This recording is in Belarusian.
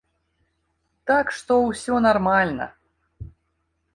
Так што ўсё нармальна!